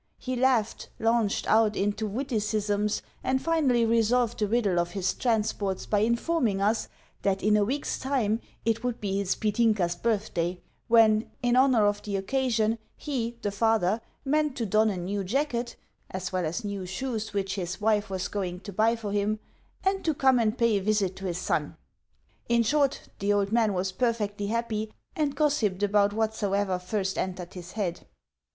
He laughed, launched out into witticisms, and, finally, resolved the riddle of his transports by informing us that in a week's time it would be his Petinka's birthday, when, in honour of the occasion, he (the father) meant to don a new jacket (as well as new shoes which his wife was going to buy for him), and to come and pay a visit to his son. In short, the old man was perfectly happy, and gossiped about whatsoever first entered his head.